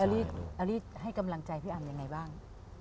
เอลวิให้กำลังใจพี่อ่ามอย่างไรบ้าง